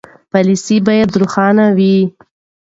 پالیسي باید روښانه وي.